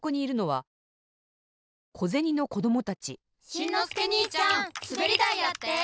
しんのすけにいちゃんすべりだいやって！